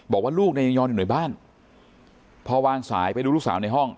บอกว่าลูกเนี่ยยังนอนอยู่ในบ้านพอวางสายไปดูลูกสาวในห้อง